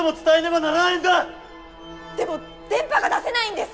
でも電波が出せないんです！